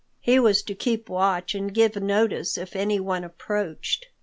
He was to keep watch and give notice if anyone approached.